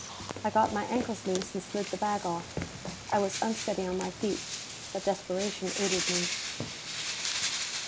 I got my ankles loose and slid the bag off. I was unsteady on my feet, but desperation aided me.